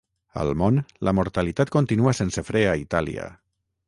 Al món, la mortalitat continua sense fre a Itàlia.